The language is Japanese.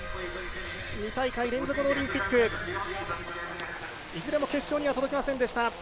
２大会連続のオリンピックいずれも決勝には届きませんでした。